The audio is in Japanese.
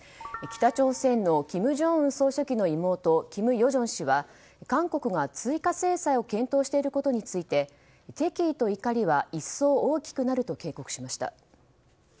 北朝鮮の金正恩総書記の妹・金与正氏は韓国が追加制裁を検討していることについて敵意と怒りは一層大きくなると警告しました。